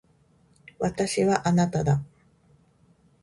私はあなただ。